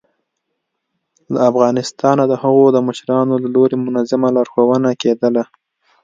ه افغانستانه د هغو د مشرانو له لوري منظمه لارښوونه کېدله